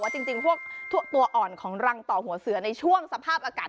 จริงพวกตัวอ่อนของรังต่อหัวเสือในช่วงสภาพอากาศ